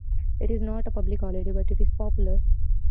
It is not a public holiday, but it is popular.